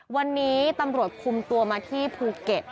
วันนี้ตำรวจคุมตัวมาที่ภูเก็ต